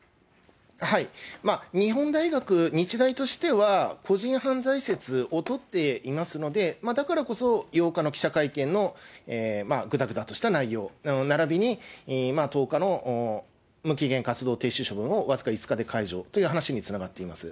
日本大学、日大としては、個人犯罪説を取っていますので、だからこそ８日の記者会見のぐだぐだとした内容、ならびに１０日の無期限活動停止処分を僅か５日で解除という話につながっています。